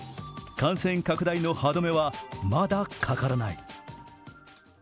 感染拡大の歯止めはまだかからない。